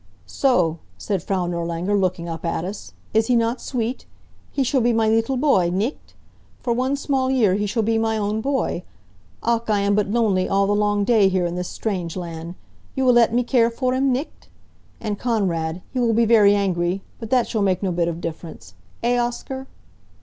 "So," said Frau Nirlanger, looking up at us. "Is he not sweet? He shall be my lee tel boy, nicht? For one small year he shall be my own boy. Ach, I am but lonely all the long day here in this strange land. You will let me care for him, nicht? And Konrad, he will be very angry, but that shall make no bit of difference. Eh, Oscar?"